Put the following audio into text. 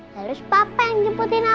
lalu si papa yang jemputin aku